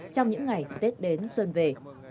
trong những ngày tết đến xuân về